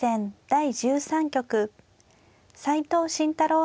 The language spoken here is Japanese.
第１３局斎藤慎太郎